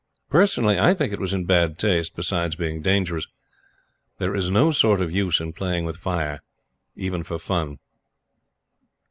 Personally, I think it was in bad taste. Besides being dangerous. There is no sort of use in playing with fire, even for fun.